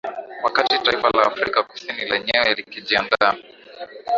wakati taifa la afrika kusini lenyewe likijiandaa